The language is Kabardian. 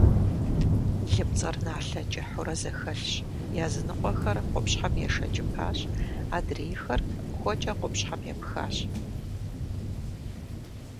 Лыпцӏэр налъэ кӏыхьурэ зэхэлъщ, языныкъуэхэр къупщхьэм ешэкӏыпащ, адрейхэр хуэкӏэ къупщхьэм епхащ.